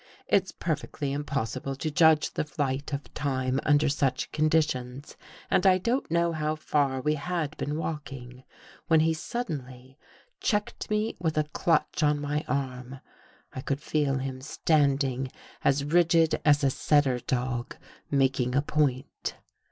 It's perfectly impos sible to judge the flight of time under such condi tions and I don't know how far we had been walk ing, when he suddenly checked me with a clutch on my arm. I could feel him standing as rigid as a setter dog making a point.